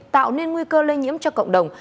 tạo nên nguy cơ lây nhiễm cho cộng đồng